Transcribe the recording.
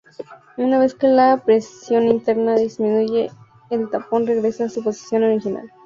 Una vez que la presión interna disminuye el tapón regresa a su posición original.